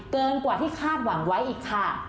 เกินกว่าที่คาดหวังไว้อีกค่ะ